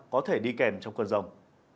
có thể đi kèm trong cơn rông